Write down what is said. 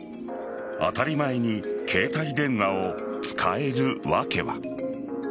当たり前に携帯電話を使える訳は？